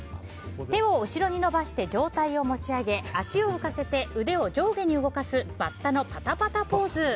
手を後ろに伸ばして上体を持ち上げ足を浮かせて腕を上下に動かすバッタのパタパタポーズ。